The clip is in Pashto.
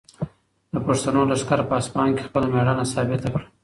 د پښتنو لښکر په اصفهان کې خپله مېړانه ثابته کړه.